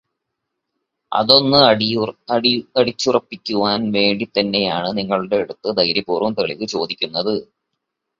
അതൊന്ന് അടിച്ചുറപ്പിക്കുവാൻ വേണ്ടിത്തന്നെയാണ് നിങ്ങളുടെ അടുത്ത് ധൈര്യപൂർവം തെളിവ് ചോദിക്കുന്നത്.